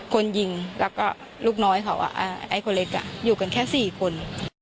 คนยิงแล้วก็ลูกน้อยเขาไอ้คนเล็กอยู่กันแค่๔คน